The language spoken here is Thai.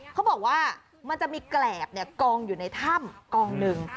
เขาบอกว่ามันจะมีแกรบกองอยู่ในถ้ำกองหนึ่ง